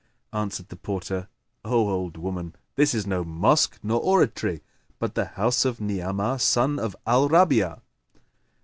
Answered the porter, "O old woman, this is no mosque nor oratory, but the house of Ni'amah son of al Rabi'a."